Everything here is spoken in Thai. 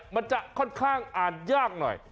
มันจะค่อนข้างอ่านยากหน่อย